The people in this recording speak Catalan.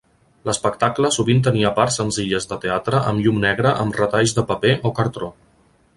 L'espectacle sovint tenia parts senzilles de teatre amb llum negra amb retalls de paper o cartró.